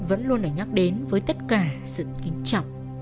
vẫn luôn đã nhắc đến với tất cả sự kinh trọng